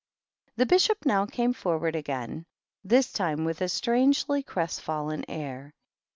The Bishop now came forward again, th time with a strangely crestfallen air.